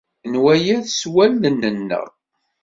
Nwala-t s wallen-nneɣ!